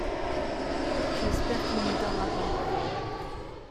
J’espère qu’il ne tardera pas.